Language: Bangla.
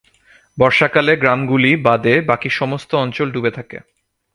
বর্ষাকালে গ্রামগুলি বাদে বাকি সমস্ত অঞ্চল জলে ডুবে থাকে।